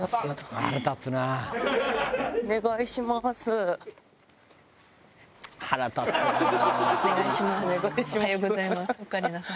お願いします。